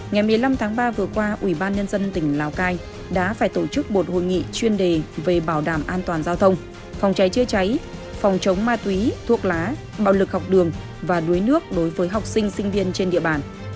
ngày một mươi năm tháng ba vừa qua ủy ban nhân dân tỉnh lào cai đã phải tổ chức một hội nghị chuyên đề về bảo đảm an toàn giao thông phòng cháy chữa cháy phòng chống ma túy thuốc lá bạo lực học đường và đuối nước đối với học sinh sinh viên trên địa bàn